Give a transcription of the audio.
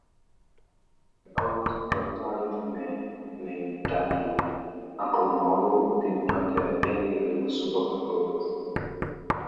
An old, rotund man named Dudley, Uncle Marvel did not have any real superpowers.